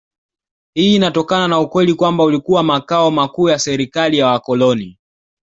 Hii inatokana na ukweli kwamba ulikuwa makao makuu ya serikali ya wakoloni